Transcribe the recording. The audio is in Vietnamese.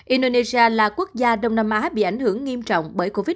indonesia là quốc gia đông nam á bị ảnh hưởng nghiêm trọng